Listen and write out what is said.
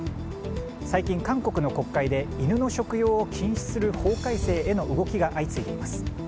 最近、韓国の国会で犬の食用を禁止する法改正への動きが相次いでいます。